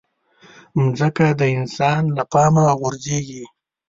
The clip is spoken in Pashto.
مځکه د انسان له پامه غورځيږي.